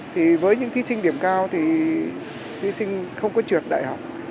thì với những thí sinh điểm cao thì thí sinh không có trượt đại học